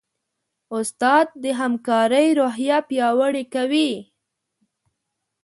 استاد د همکارۍ روحیه پیاوړې کوي.